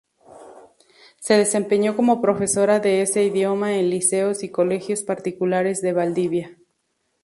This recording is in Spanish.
Se desempeñó como profesora de ese idioma en liceos y colegios particulares de Valdivia.